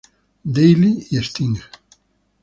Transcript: Daily, y Sting.